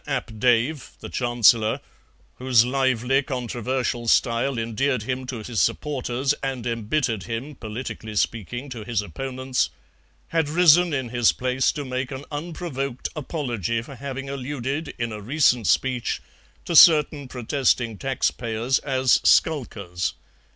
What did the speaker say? Ap Dave, the Chancellor, whose lively controversial style endeared him to his supporters and embittered him, politically speaking, to his opponents, had risen in his place to make an unprovoked apology for having alluded in a recent speech to certain protesting taxpayers as "skulkers."